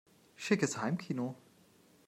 Schickes Heimkino!